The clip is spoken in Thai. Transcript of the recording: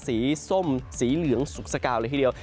ส้มสีเหลืองสุขสกาวเลยทีเดียว